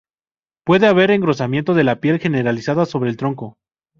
Puede haber engrosamiento de la piel generalizada sobre el tronco.